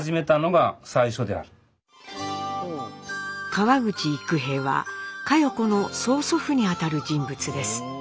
川口幾平は佳代子の曽祖父にあたる人物です。